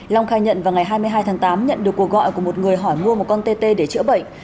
long khai nhận vào ngày hai mươi hai tháng tám nhận được cuộc gọi của một người hỏi mua một con tê tê để chữa bệnh